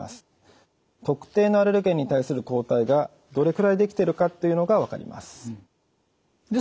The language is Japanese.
特定のアレルゲンに対する抗体がどれくらいできてるかっていうのが分かります。